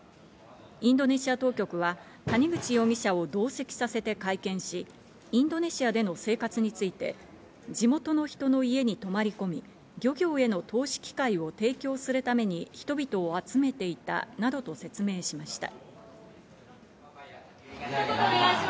インドネシア当局は谷口容疑者を同席させて会見し、インドネシアでの生活について地元の人の家に泊まり込み、漁業への投資機会を提供するために人々を集めていたなどと説明しました。